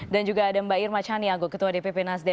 dan juga ada mbak irma chaniago ketua dpp nasdeh